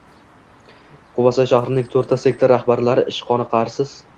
Quvasoy shahrining to‘rtta sektor rahbarlari ishi qoniqarsizng